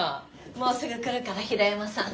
もうすぐ来るから平山さん。